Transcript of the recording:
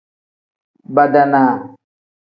Badaanaa.